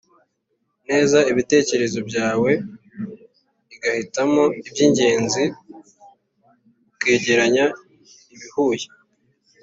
neza ibitekerezo byawe, ugahitamo iby’ingenzi, ukegeranya ibihuye,